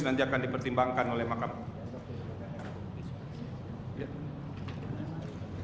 nanti akan dipertimbangkan oleh mahkamah